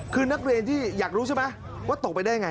คือนักเรียนที่อยากรู้ใช่ไหมว่าตกไปได้ยังไง